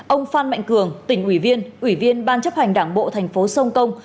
ông phan mạnh cường tỉnh ủy viên ủy viên ban chấp hành đảng bộ thành phố sông công